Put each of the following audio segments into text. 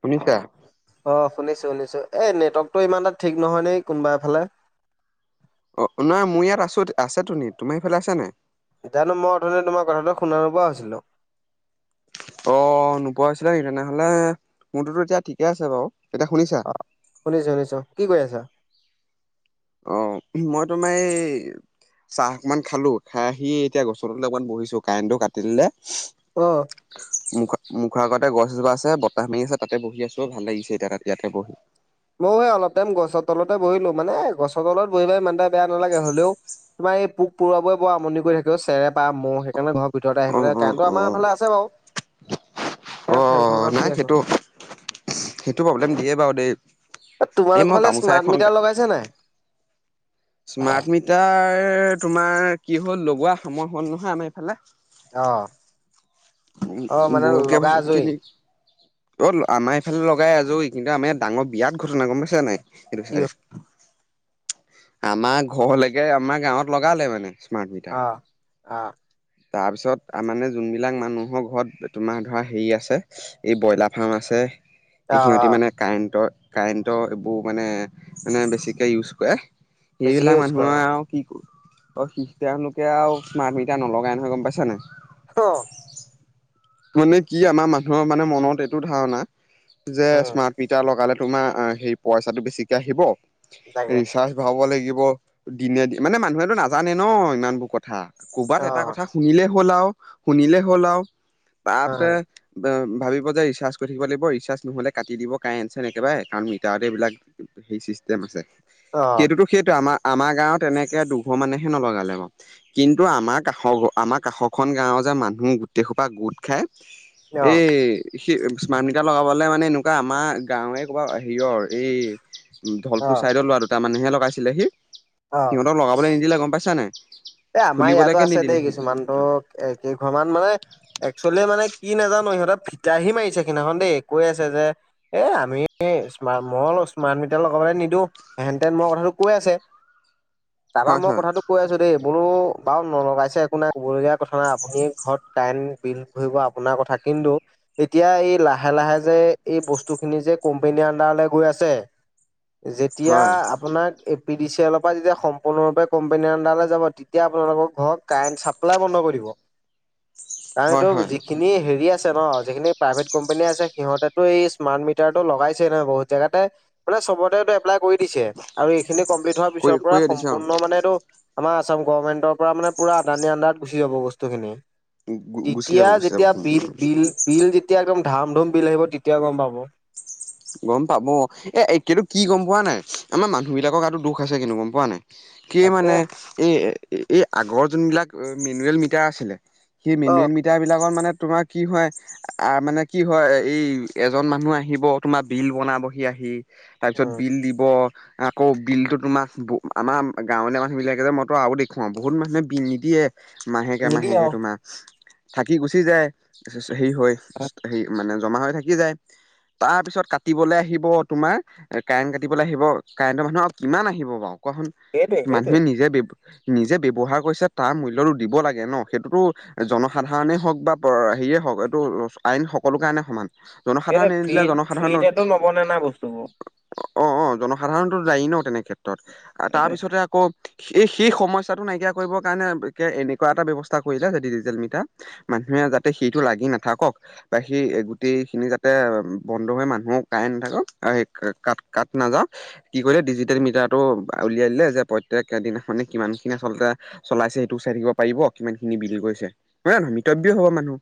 শুনিছা। অ শুনিছো শুনিছো এই নেটৱৰ্কতটো ইমান এটা ঠিক নহয় দেই কোনোবা এফালে। অ' নাই মোৰ ইয়াত আছোঁ আছে তোনি তোমাৰ সেইফালে আছে নাই? এতিয়ানো মই অথোনি তোমাৰ কথাটো শুনা নোপোৱা হৈছিলো। অ 'নোপোৱা হৈছিলা নেকি তেনেহলে মোৰটোতো এতিয়া ঠিকে আছে বাওঁ এতিয়া শুনিছা অ 'শুনিছো শুনিছো, কি কৰি আছা? অ' মই তোমাৰ এই চাহ অকমান খালো খাই আহি এতিয়া গছৰ তলত অকমান বহিছো কাৰেণ্টটো কাটি দিলে। অ মুখত মুখৰ আগতে গছজোপা আছে বতাহ মাৰি আছে তাতে বহি আছো ভাল লাগিছে এতিয়া তাত ইয়াতে বহি- ময়ো সে অলপ টাইম গছৰ তলতে বহিলো মানে গছৰ তলত বহি বাই ইমানটা বেয়া নালাগে হলেও। তোমাৰ এই পোক পৰুৱাৰে বৰ আমনি কৰি থাকে অ চেৰেপা, মহ সেইকাৰণে ঘৰত- ভিতৰতে অ আহি পেলাই অ কাৰেণ্টো অ আমাৰ ফালে আছে বাৰু। এ ফেনখন অহ লগাই নাই শুই আছো সেইটো, সেইটো প্ৰব্লেম দিয়ে বাও দেই। এই তোমালোকৰ মই ফালে গামোচা স্মাৰ্ট এখন মিটাৰ লগাইছে নাই? স্মাৰ্ট মিটাৰ তোমাৰ কি হ'ল লগোৱা সময় হ'ল নহয় আমাৰ এইফালে। অ' অ উ মানে বৌৱ লগাই কেইবছৰ আজৰি কেইদিন অ 'আমাৰ এইফালে লগাই আজৈ কিন্তু আমাৰ ডাঙৰ বিয়ট ঘটনা গম পাইছা নাই সেইটো কি চাইদে হ'ল? আমাৰ ঘৰলেকে আমাৰ গাঁৱত লগালে মানে। Smart meter. অহ অ তাৰপিছত মানে যোনবিলাক মানুহৰ ঘৰত তোমাৰ ধৰা হেৰি আছে। এই ব্ৰইলাৰ ফাৰ্ম আছে। অ এই অ সিহঁতি মানে কাৰেণ্টৰ কাৰেণ্টৰ এইবোৰ মানে মানে বেছিকে ইউজ কৰে। বেছিকে সেইবিলাক ইউজ কৰে মানুহে আও কি অ সি তেওঁলোকে আৰু স্মাৰ্ট মিটাৰ নলগাই। গম পাইছা নাই। অ' মানে কি আমাৰ মানুহৰ মানে মনত এইটো ধাৰণা যে উম স্মাৰ্ট মিটাৰ লগালে তোমাৰ সেই পইচাটো বেছিকে আহিব তাকে ৰিচাৰ্জ ভাব লাগিব দিনে মানে মানুহেতটো নাজানে ন ইমান বোৰ কথা কৰ'বাত এটা অ কথা শুনিলে হলাও - শুনিলে হলাও তাতে অ', ভাবিব যে ৰিচাৰ্জ কৰি থাকিব লাগিব ৰিচাৰ্জ নহ'লে কাটি দিব কাৰেন্ট চাৰেন্ট একেবাৰে কাৰণ মিটাৰত এইবিলাক। সেই চিষ্টেম আছে অ', সেইটোতো সেইটোৱে আমাৰ আমাৰ গাঁওত এনেকে দুঘৰ মানেহে নলগালে বাও কিন্তু আমাৰ কাষৰ আমাৰ কাষৰখন গাঁৱৰ যে মানুহ গোটেই সোপা গোট খাই অ', এই সেই স্মাৰ্ট মিটাৰ লগাবলৈ মানে এনেকুৱা আমাৰ গাঁৱে কৰবাত হেৰিৰ এই ধলপুৰ অ', ছাইদত লোৱা দুটাৰ মানেহে লগাইছিলে সি অ', সিহঁতক লগাবলৈ নিদিলে গম পাইছা নাই। এ আমাৰ ইয়াতো খুলিবলৈকে আছে নিদিলে দেই সি কিছুমানতো কেই ঘৰমান মানে একচোৱেলি মানে কি নাজানো ইহঁতেৰ ফিতাহি মাৰিছে সিদিনাখন দেই কৈ আছে যে এ আমি মই স্মাৰ্ট মিটাৰ লগ নিদিও হেনতেন মই কথাটো কৈ আছে। তাৰপা হয় মই হয় কথাাতটো কৈ আছো দেই মোৰো বাৰু নলগাইছে একো নাই ক'বলগীয়া কথা নাই আপুনি ঘৰত কাৰেণ্ট বিল ভৰিব আপোনাৰ কথা কিন্তু এতিয়া এই লাহে - লাহে যে এই বস্তুখিনি যে কোম্পেনীৰ আডাৰলৈ গৈ আছে। যেতিয়া হয় আপোনাক এ পি ডি চি এলৰ পৰা যেতিয়া সম্পূৰ্ণৰূপে কোম্পানী আডালে যাব তেতিয়া আপোনালোকৰ ঘৰত কাৰেণ্ট চাপ্লাই বন্ধ কৰিব হয় কাৰণটো হয় সেই খিনি হেৰি আছে ন যিখিনি প্ৰাইভেট কোম্পানী আছে সিহঁতেতো এই স্মাৰ্ট মিটাৰটো লগাইছেই নহয় বহুত জেগাতে মানে চবতে এইটো এপ্লাই কৰি দিছে আৰু এইখিনি কমপ্লিট হোৱাৰ কৈ পিছৰ পৰা কৈয়ে দিছে অ সম্পূৰ্ণ মানে এইটো আসাম গভৰ্ণমেণ্টৰ পৰা মানেুৰা আদানী আন্দডাৰত গুচি যাব বস্তুখিনি। গুচি তেতিয়া যাব গুচি যাব যেতিয়া সম্পূৰ্ণ বিল - বিল - বিল যেতিয়া একদম ধাম ধুম বিল আহিব তেতিয়া গম পাব। গম পাব এ এতিয়াতো কি গম পোৱা নাই আমাৰ মানুহ বিলাকক আৰু দুখ আছে কিন্তু গম পোৱা নে। কি তাকে মানে এই এই আগৰ যোনবিলাক মেনুৱেল মিটাৰ আছিলে সি অ' মেনেল মি টাৰবিলাকত মানে তোমাৰ কি হয় মানে কি হয় এই এজন মানুহ আহিব। তোমাৰ বিল বনাবহি আহি তাৰপিছত উম বিল দিব। আকৌ বিলটো তোমাৰ আমাৰ গাঁৱলীয়া মানুহবিলাকে যে মইতো আৰু দেখুৱাও বহুত মানুহে বিল নিদিয়ে। মাহেকে - নিদিয়ে মাহেকে আৰু। তোমাৰ থাকি গুচি যায়। ত হেৰি হয় হে মানে জমা হৈ থাকি যায়। তাৰ পিছত কাটিবলৈ আহিব তোমাৰ কাৰেণ্ট কাটিবলৈ আহিব কাৰেণ্টৰ মানুহ আৰু কিমান আহিব বাৰু। সেইটোৱে সেইটোৱে। মানুহে নিজে নিজে ব্যৱহাৰ কৰিছে তাৰ মূল্যটো দিব লাগে ন সেইটোতো জনসাধাৰণেই হওক বা হেৰিয়ে হওক এইটো আইন সকলো কাৰণে সমান। এইটো জনসাধাৰণে ফ্ৰী নিদিলে - জনসাধাৰণৰ ফ্ৰীতেটো নবনে না বস্তুবোৰ। অ', অ', জনসাধাৰণতটো যায়ী ন তেনে ক্ষেত্ৰত সেইটোৱে তাৰপিছতে কত এই সেই সমস্যা টো নাইকিয়া কৰিবৰ কাৰণে এনেকুৱা এটা ব্যয়ৱস্থা কৰিলে যে ডিজিটেল মিটাৰ। মানুহে যাতে সেইটো লাগি নাথাকক বা সেই গোটেই খিনি যাতে বন্ধ হৈ মানুহো কাই নাথাকক ক - কাট নাযাও। কি কৰিলে ডিজিটেল মিটাৰটো উলিয়াই দিলে যে প্ৰত্যেক দিনাখানে কিমান খিনি আচলতে চলাইছে সেইটোক চাই থাকিব পাৰিব কিমান খিনি বিল গৈছে নহয় - নহয় মিতব্য হব মানুহ।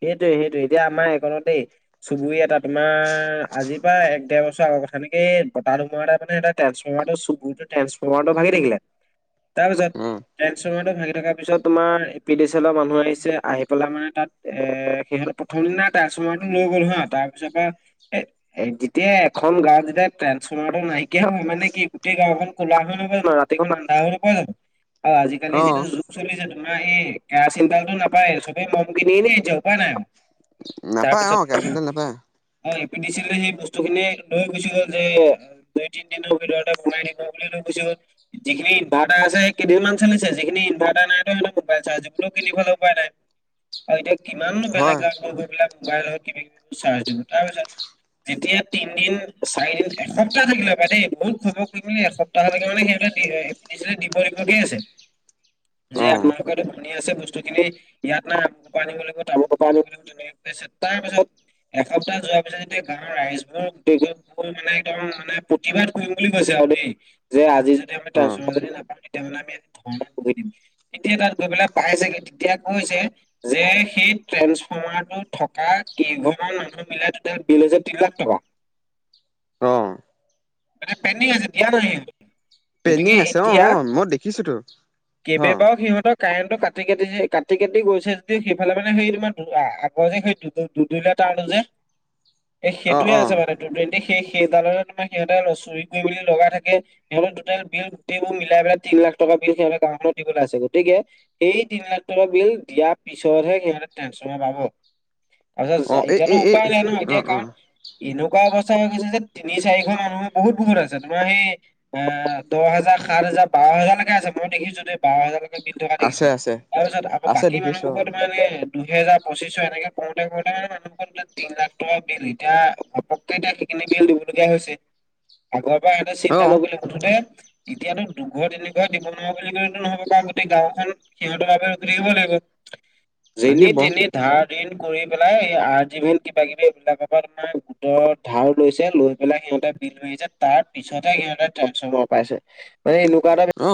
সেইটো - সেইটোয়ে এতিয়া আমাৰ সখনতেই চুবুৰ এটা তোমাৰ আজিৰ পৰা এক ডেৰ বছৰ আগৰ কথা এনেকে এই বতাহ ধুমৰা তটা মানে সহ ট্ৰেঞ্চস্ফৰমটো চুবুৰটো ট্ৰেঞ্চফৰ্মাৰ ভাগি থাকিলে তাৰপিছত অ ট্ৰেন্ঞ্চফৰ্মাৰটো ভাঙি থকাৰ পিছত তোমাৰ এ পি ডিচ এলৰ মানুহ আহিছে আহি পেলাই মানে তাত এ সিহঁততে প্ৰথম দিনা এ চমাৰটো লৈ গ'ল হা তাৰ পিছৰ পৰা এ এ যেতিয়া এখন গাঁও যেতিয়া ট্ৰেন্সফৰ্মাৰটো নাইকিয়া হ'ব মানে কি গোটেই গাঁওখন কোলা হৈ নহব ন। তে মানাহ কোৱা জানো। [unintelligible] অ, আজিকালি অ যিটো যুগ চলিছে তোমাৰ এই কেৰাচিন তোলটো নাপায় চবে মম। পনে যৌ প ন [unintelligible] নাপায় অ তাৰপিছত। কেৰাচিন তেল নাপায় অ এ পি ডি চি এলে সেই বস্তু খিনি লৈ গুচি গ'ল যে। দুই তিনিদিনৰ ভিতৰতে বনাই দিব বুলি লৈ গুছি গ'ল। যিখিনি ইনভাৰটাৰ আছে কেইনমানান চি যিখিনি ইনভাৰটাৰ নাই ত মোবাইলাৰ্জবোৰো কিনিবালে পোৱা নাই। আৰু এতিয়া কিমানো হয় বেলেগ গাওঁ গৈ পেলাই মোবাইল কিনি চাৰ্জ দিম তাৰপিছত। যেতিয়া তিনদিন, চাৰিদিন, এসপ্তাহ থাকিলে পাই দেই বহুত খবৰ কৰি মেলি এসপ্তাহ তাহকে মানে সিহঁতে দিব - দিবগে আছে। যে অ আপোনালোকৰো ভনী আছে বস্তুখিনি ইয়াত নাই আমুকৰ পৰা আনিব লাগিব তামুৰ পৰা আনিব লাগিব। তাৰ পিছত এসপ্তাহ যোৱাৰ পিছত যেতিয়া গাঁৱৰ ৰাইজবোৰ গোটেই মোৰ মানে একদম মানে প্ৰতিবাদ কৰিম বুলি কৈছে আৰু দেই। যে আজি যদি আমি অ ট্ৰেফৰ্মাৰ যদি নাপাওঁ তেতিয়াহ'লে আমি ধৰ্ণাত বহি দিম। তেতিয়া তাত গৈ পেলাই পাই চাগে তেতিয়া কৈছে। যে সেই ট্ৰেন্সফৰ্মাৰ টো থকা কেইঘৰ মান মানুহ। মিলাই টোটেল বিল হৈছে তিনি লাখ টকা। অ এ পেণ্ডিং আছে দিয়া নাই। গতিকে পেইণ্ডিং আছে অ এতিয়া অ মই দেখিছোতো অ কেবাৰও সিহঁতক। কাৰেণ্টটো কাটি কাটি কাটি কাটি গৈছে যদি সেইফালে মানে সেই তোৰ আগৰ যে সেই- দু দুই কাৰণে যে এই অ সেইটোৱে অ আছে মানে টু টুৱেণ্টি সেই সেইডালৰে তোমাৰ- সিহঁতে চুৰিত গৈ মেলি লগা থাকে। সিহঁতৰ টু‌ টুটেল বিল গোট মিলাই পেলাই তিন লাখ টকা বিছ সিহঁৰ গাঁওখনত দিবলৈ আছে গতিকে। সেই তিন লাখ টকা বিল দিয়াৰ পিছতহে সিহঁতে ট্ৰেনশ পাব। অ তাৰপিছত এই এতিয়াতো এই এই উপায় নাই ন অ এতিয়া অ কাৰণ এনেকুৱা অৱস্থা হৈ গৈছে যে তিনি। মানুহ বহুত বহু আছে। তোমাৰ সেই অ দহ হাজাৰ সাত হাজাৰ বাৰ হাজাৰলৈকে আছে মই দেখিছো যদি। বাৰ হাজাৰলৈকে বিধ থকা দেখিছো আছে আছে তাৰপিছত আকৌ আছে বাকী দেখিছো মানুহবোৰক ত মানুহ এনে। দুহেজাৰ পঁচিছশ এনেকে কৰোতে কৰোতে মানে মানুহৰ তিন লাখ টকা বিল এতিয়া ঘপক। [unintelligible] দিবলগীয়া হৈছে আগৰ পৰা সহঁতে অ চিন্তা অ নকৰে মুঠতে এতিয়াতো দুঘৰ তিনি ঘৰ দিব নোৱাৰো বুলি কলেতো নহ'ব কাৰ গোটেই গাঁওখন সিহঁতৰ বাবে ৰখি থাকিব লাগিব। যেনি লাগিব তেনি ধাৰ ঋন কৰি পেলাই এই আৰ্জিভিন কিবা কিবি এইবিলাকৰ পৰা তোমাৰ গোটৰত ধাৰ লৈছে লৈ পেলাই সিহঁতে বিল মাৰিছে তাৰ পিছতেহে সিহতে ট্ৰেন্ঞ্চফৰ্মাৰ পাইছে মানে এনেকুৱা এটা অ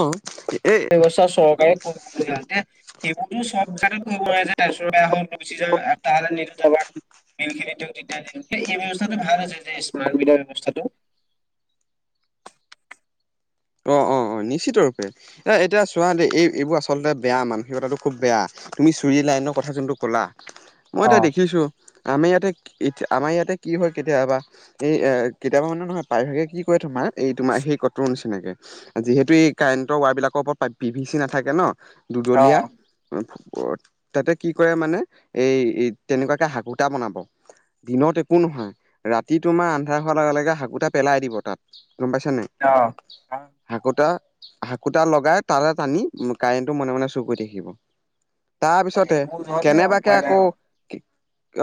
এই ব্যৱস্থা চৰকাৰে কৰিব দে। সেইবোৰতো চব জেগাত কৰিব নোৱাৰে যে তাৰ ওচৰ বয়া হ'ল গুচি যাওঁ এপ্তাহলে নিদিৰ। মেই খিনি তেওঁ এই ব্যৱস্থাটো ভাল আছে যে স্মাৰ্ট বিধ ব্যৱস্থাটো। অঁহ অঁহ নিশ্চিত ৰূপে এ এতিয়া চোৱা দ এই এইবোৰ আচলতে বেয়া মানসিকতাটো খুব বেয়া। তুমি চুৰি লাইনৰ কথা যোনটো ক'লা মই এতিয়া অ', দেখিছো। আমি ইয়াতে আমাৰ ইয়াতে কি হয় কেতিয়াবা। এই এ কেতিয়াবা মানে নহয় প্ৰায়ভাগে কি কৰে তোমাৰ এই তোমাৰ সেই কতৰ নিচিনাকে। যিহেতু এই কাৰেণ্টৰ ৱায়াৰ বিলাকৰ ওপৰত বি ভি চি নাথাকে ন অ', দুদলীয়া। তাতে কি কৰে মানে এই তেনেকুৱাকে শাকুটা বনাব। দিনত একো নহয় ৰাতি তোমাৰ আন্ধাৰ হোৱাৰ লগে লগে শাকু এটা পেলাই দিব তাত গম পাইছা নাই অ শাকুতা শাকুতা লগাই তালে টানি কাৰেণ্টটো মনে মনে চুক কৰি থাকিব [inaudible] তাৰ পিছতে মোৰ যহতে কেনেবাকে উপায় নাই আকৌ আৰু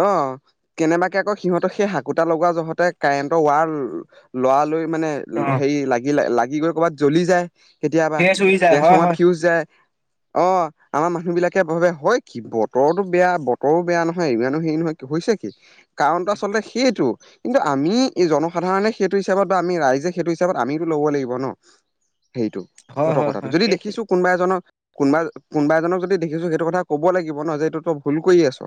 অ কেনেবাকে আকৌ সিহঁতৰ সেই হাকোতটা লগোৱা যহতে কাৰেণ্টৰ ৱাৰ লৰা লৈ মানে অ' হেৰি লাগি লাগি গৈ কৰ'ৰবাত জ্বলি যায় কেতিয়াবা ধেৰ চুৰি যায় হয় টেজফমাৰ হয় ফিউজ যায় অ আমাৰ মানুহ বিলাকে ভাবে হয় কি বতৰৰতো বেয়া বতৰো বেয়া নহয় মানুহ হেৰি নহয় হৈছে কি কাৰণটো আচলতে সেইটো কিন্তু আমি এই জনসাধাৰণে সেইটো হিচাপত বা আমি ৰাইজে সেইটো হিচাপত আমিতো ল'ব লাগিব ন সেইটো হয় হয় সতৰ্কতাটো হয় যদি সেইটোৱে দেখিছো কোনোবা এজনক কোনোবা-কোনোবা এজনক যদি দেখিছো সেইটো কথা ক'ব লাগিব ন, যে এইটো তই ভুল কৰি আছ।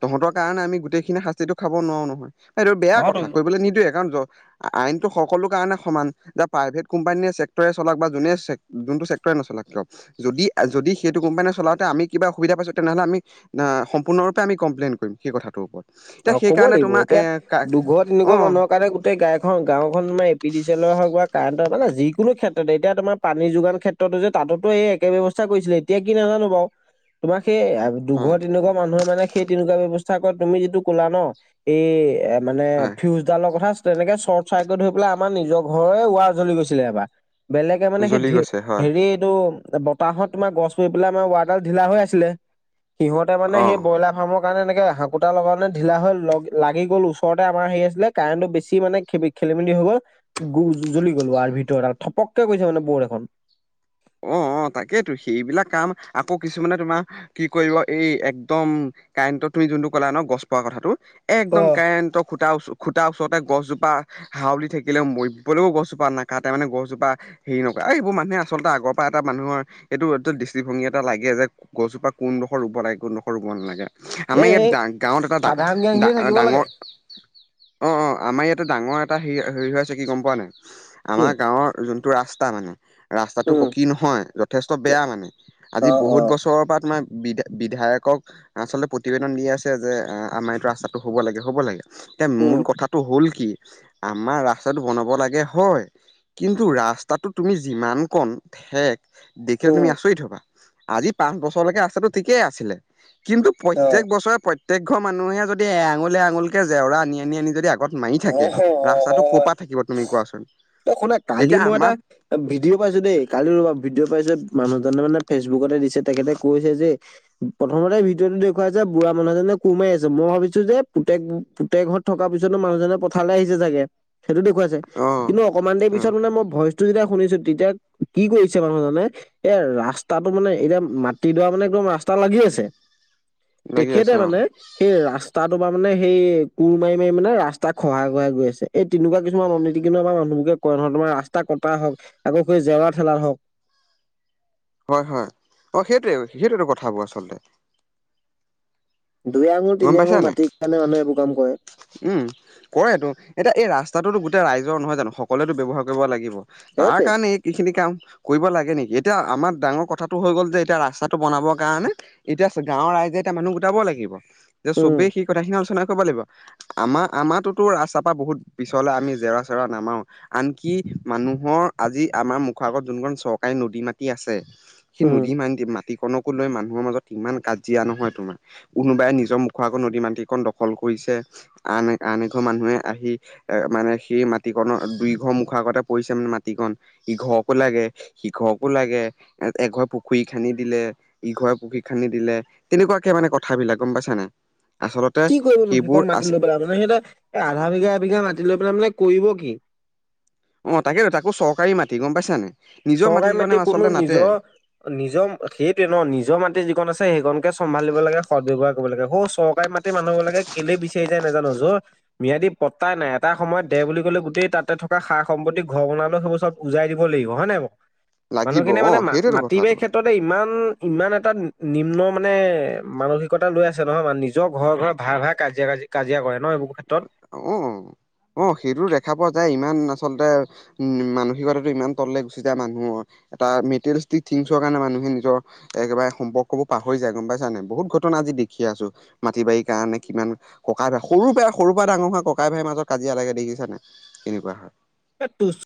তহঁতৰ কাৰণে আমি গোটেইখিনি শাস্তিটো খাব নোৱাৰো নহয়। এইটো বেয়া কথা অ' তো কৰিবলৈ নিদোৱে কাৰণ আইনতটো সকলো কাৰণে সমান যে প্ৰাইভেট কোম্পানীয়ে আছে ছেক্টৰে চলাওক বা যোনে জোনটো ছেক্টৰে নচলাওক কিয়। যদি যদি সেইটো কোম্পানীয়ে চলাওঁতে আমি কিবা সুবিধা পাইছো তেনেহ'লে আমি ন সম্পূৰ্ণৰূপে আমি কমপ্লেইন কৰিম সেই কথাটোৰ ওপৰত অ এতিয়া ক'ব সেইকাৰণে লাগিব তোমাৰ এতিয়া এ দুঘৰ তিনি অ ঘৰ মানুহৰ কাৰণে গাইখন গাঁওখন পি ডি চ এলৰ হওক বা কাৰেণ্টৰ মানে যিকোনো ক্ষেত্ৰত এতিয়া তোমাৰ পানী যোগান ক্ষেত্ৰত যে ততেটো এই একে ব্যয়ৱস্থা কৰিছিলে এতিয়া কি নাজানো বাৰু। তোমাৰ সেই হয় দুঘৰ তিনি ঘৰ মানুহৰ মানে সেই তেনেকুৱা ব্যৱস্থা কৰা তুমি যিটো কলা ন? এই এ মানে হয় ফিউজ ডালৰ কথা তেনেকে চৰ্ট চাৰ্কিট হৈ পেলাই আমাৰ নিজৰ ঘৰৰে ৱাৰ জ্লি গৈছিলে এবাৰ। বেলেগে মানে সেই জ্বলি ধে, গৈছে হয় হেৰি এইটো বতাহত তোমাৰ গছ পৰি পেলাই আমাৰ ৱাৰ ডাল ঢিলা হৈ আছিলে, সিহঁতে মানে অ সেই ব্ৰইলাৰ ফামৰ কাৰণে এনেক হাকুাৰ লগানে ঢিলা হৈ লগ লাগি গ'ল ওচৰতে আমাৰ হেৰি আছিলে কাৰেণ্টতো বেছি মানে খে খেলি মেলি হৈ গ'ল গ জ্বলি গ'ল উৱা ভিতৰ ডাল, থপককে গৈছে মানে বৌদ এখন। অ', অ', তাকেইেতো সেইবিলাক কাম আকৌ কিছুমানে তোমাৰ কি কৰিব এই একদম কাৰেণ্টত তুমি জোনটো কলা ন গছ পোৱা কথাটো। একদম অ'। কাৰেণ্টৰ খুটা ওচ খুটটা ওচৰতে গছজোপা হাঁউলি থাকিলেও মৰিবলেও গছজোপা নাকাতে মানে গছজোপা হেৰি নকৰে এইবোৰ মানুহে আচলতে আগত পা এটা মানুহৰ এইটো দৃষ্টিভংগী এটা লাগে যে গছজোপা কোনডোখৰ ৰুব লাগে কোনডোখৰ ৰুব নালাগে। এ আমাৰ এই ইয়াত গাঁৱত এটা সাধাৰণ জ্ঞান খিনি থাকিব লাগে। ডা-ডা-ডাঙৰ অ', অ', আমাৰ ইয়াতে ডাঙৰ এটা হেৰি-হেৰি হৈ আছে কি গম পোৱা নাই? কি? আমাৰ গাঁওৰ জোনটো ৰাস্তা মানে, ৰাস্তাটো উম, কি নহয় যথেষ্ট বেয়া মানে আজি অ', বহুত অ', বছৰৰ পৰা তোমাৰ বিদ বিধায়কক আচলতে প্ৰতিবেদন দি আছে যে আমাৰ এইটো ৰাস্তাটো হব লাগে, হ'ব লাগে। এতিয়া উম, মূল কথাটো হ'ল কি আমাৰ ৰাস্তাটো বনাব লাগে হয়। কিন্তু ৰাস্তাটো তুমি যিমান কণ থেক দেখিলে উম, তুমি আছৰিত হবা আজি পাঁচ বছৰলৈকে ৰাস্তাটো ঠিকেই আছিলে। কিন্তু অ', অ', প্ৰত্যয়েক বছৰে প্ৰত প্ৰত্যেকঘৰ মানুহে যদি এআঙুল এআঙুলে জেওৰা আনি-আনি-আনি যদি আগত মাৰি থাকে অ', হয় ৰাস্তাটো ক'ৰ হয় পৰা থাকিব তুমি কোৱাচোন? অ শুনা কালি এতিয়া মই এটা আমাৰ ভিডিঅ' পাইছোঁ দেই কালি ৰ'বা ভিডিঅ' পাইছোঁ মানুহজনে মানে ফেচবুকতে দিছে তেখেতে কৈছে যে প্ৰথমতে ভিডিঅটো দেখুৱাইছে বুঢা মানুহজনে কোৰ মাৰি আছে মই ভাবিছো যে পুতেক-পুতেকত থকাৰ পিছতো মানুহজনে পথাৰ আহিচে চাগে, হেতো দেখুৱাইছে। অ', কিন্ত অকমান দেৰি পিছত অ', মানে মই ভই যেতিয়া শুনিছোঁ, তেতিয়া কি কৰিছে মানুহজনে এ ৰাস্তাটো মানে এতিয়া মাটিডৰা মানে একদম ৰাস্তা লাগি আছে। লাগি তেখেতে আছে অ', মানে সেই ৰাস্তাটো বা মানে সেই কোৰ মাৰি-মাৰি মানে ৰাজ তাক সহায় কৰাই গৈ আছে এই তেনেকা কিছুমান অনীতি কি আৰ মানুহবোৰকে কয় নহয় তোমাৰ ৰাস্তা কটা হক আকৌ কৈ জেওৰা ঠেলাৰ হওঁক। হয়, হয়। অ', সেইটোৱে-সেইটোৱে টো কথাবোৰ আচলতে। দুই আঙুৰ গম তিনি পাইছা আঙুৰ নাই? মাটিৰ কাৰণে মানুহে এইবোৰ কাম কৰে। উম, কৰেটো এতিয়া এই ৰাস্তাটোতো গোটেই ৰাইজৰ নহয় জানো সকলোৱো ব্যৱহাৰ কৰিব লাগিব। তাৰ সেইটোৱে। কাৰণে ইখিনি কাম কৰিব লাগে নেকি এতিয়া আমাৰ ডাঙৰ কথাটো হৈ গ'ল যে এতিয়া ৰাস্তাটো বনাবৰ কাৰণে এতিয়া গাঁৱৰ ৰাইজে এতিয়া মানুহ গোটাব লাগিব, যে উম চবেই সেই কথাখিনি আলোচনা কৰিব লাগিব। আমাৰ-আমাৰ তো-তো ৰাস্তা পা বহুত পিছলে আমি জেওৰা চেওৰা নামাওঁ। আনকি মানুহৰ আজি আমাৰ মুখ আগত যোনখন চৰকাৰী নদী মাটি আছে। সেই উম। নদী মাটি মাটিকণকো লৈ মানুহৰ মাজত ইমান কাজিয়া নহয় তোমাৰ। কোনোবাই নিজৰ মুখৰ আগৰ নদী মাটিকন দখল কৰিছে, আন -আন এঘৰ মানুহে আহি। এ! মানে সেই মাটিকনৰ দুইঘৰ মুখৰ আগতে পৰিছে, মানে মাটিকন ইঘৰকো লাগে। সিঘৰকো লাগে, এ! এঘৰ পুখুৰী খান্দি দিলে। ইঘৰে পুখুৰী খান্দি দিলে তেনেকুৱাকে মানে কথাবিলাক গম পাইছা নাই। আচলতে সেইবোৰ মাটো আছে লৈ পেলাই মানে সিহঁতে আধা বিঘা এবিঘা মাটি লৈ পেলাই মানে কৰিব কি? অ', তাকেটো তাকো চৰকাৰী মাটি গম পাইছা নাই? নিজৰ চৰকাৰি মাটিকনে মাটি কোনো আচলতে নাতে নিজৰ নিজৰ, সেইটোয়ে ন নিজৰ মাটি যিখন আছে। সেইখনকে চম্ভালিব লাগে সৎ ব্যৱহাৰ কৰিব লাগে। সৌ চৰকাৰী মাটি গোটেই মানুহবিলাকে কেলে বিচাৰি যায় নাজানো। যৰ ম্যাদী পত্তাই নাই, এটা সময়ত দে বুলি ক'লে গোটেই তাতে থকা সা- সম্পত্তি ঘৰ বনালেও সেইবোৰ চব উজাই দিব লাগিব। হয় নে নাই লাগিব মানুহখিনে অ মানে ম সেইটোৱেতো মাটি কথাটো বাৰীৰ ক্ষেত্ৰত ইমান- ইমান এটা নিম্ন মানে মানসিকতা লৈ আছে, নহয় মানে নিজৰ ঘৰৰ ঘৰ ভাই- ভাই কাজিয়া কাজ কাজিয়া কৰে ন এইবোৰ ক্ষেত্ৰত। অ', অ' সেইটো দেখা পোৱা যায় ইমান আচলতে উ'ম, মানসিকতাটো ইমান তললে গুচি যায়। মানুহৰ এটা মেটেৰিয়েলষ্টিক থিংছৰ কাৰণে মানুহে নিজৰ একেবাৰে সম্পৰ্কবোৰ পাহৰি যায় গম পাইছা নাই। বহুত ঘটনা আজি দেখি আছো। মাটি- বাৰীৰ কাৰণে কিমান ককাই ভাই সৰু পৰাই সৰু সৰুৰ পৰা ডাঙৰ হোৱা ককাই, ভাইৰ মাজত কাজিয়া লাগে দেখিছা নাই এনেকুৱা হয়। [unintelligible]